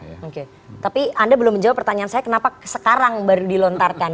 oke tapi anda belum menjawab pertanyaan saya kenapa sekarang baru dilontarkan